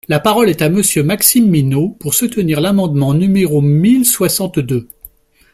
La parole est à Monsieur Maxime Minot, pour soutenir l’amendement numéro mille soixante-deux.